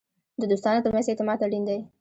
د دوستانو ترمنځ اعتماد اړین دی.